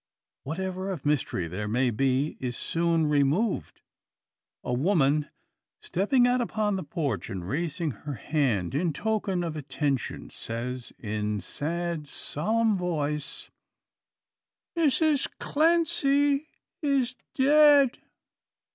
Whatever of mystery there may be is soon removed. A woman, stepping out upon the porch, and, raising her hand in token of attention, says, in sad solemn voice, "Mrs Clancy is dead!"